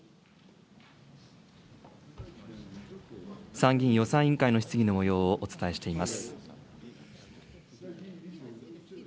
参議院予算委員会の質疑のもようをお伝えしています。